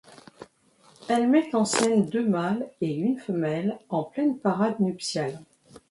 Elle met en scène deux mâles et une femelle en pleine parade nuptiale.